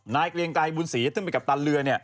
นายเกลียงตายบุญศรีท่านเป็นกัปตันเรือ